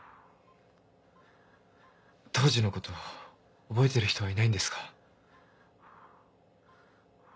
当時のことを覚えてる人はいないんですか？